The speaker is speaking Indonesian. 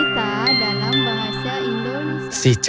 cerita dalam bahasa indonesia